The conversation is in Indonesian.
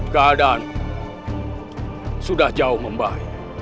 keadaanmu sudah jauh membaik